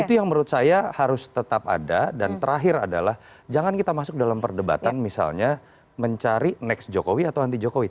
jadi memang menurut saya harus tetap ada dan terakhir adalah jangan kita masuk dalam perdebatan misalnya mencari next jokowi atau anti jokowi